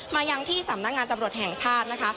มายังที่สำนักงานตำรวจแห่งชาตินะคะ